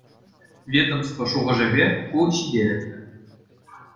Ведомство шухӑшӗпе, ку ҫителӗклӗ.